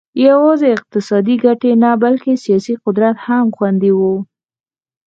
یوازې اقتصادي ګټې نه بلکې سیاسي قدرت هم خوندي نه و